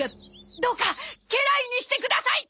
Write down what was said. どうか家来にしてください！